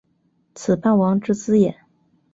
此霸王之资也。